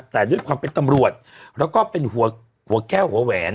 แต่ด้วยความเป็นตำรวจแล้วก็เป็นหัวแก้วหัวแหวน